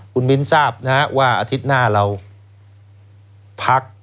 คุณมิ้นทราบนะฮะว่าอาทิตย์หน้าเราพัก